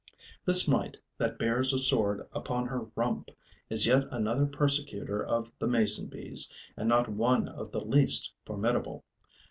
This mite that bears a sword upon her rump is yet another persecutor of the mason bees and not one of the least formidable.